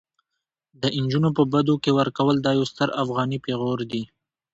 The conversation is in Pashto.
د انجونو په بدو کي ورکول دا يو ستر افغاني پيغور دي